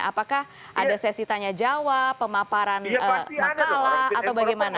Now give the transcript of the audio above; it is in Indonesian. apakah ada sesi tanya jawab pemaparan makalah atau bagaimana